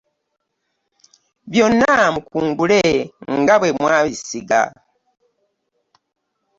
Byonna mukungule nga bwemwabisiga .